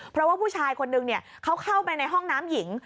เพราะว่าผู้ชายคนนึงเขาเข้าไปในห้องน้ำหญิง